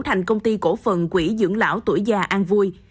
thành công ty cổ phần quỹ dưỡng lão tuổi già an vui